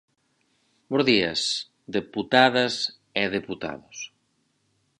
Bos días, deputadas e deputados.